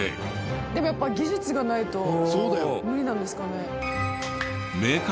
でもやっぱ技術がないと無理なんですかね？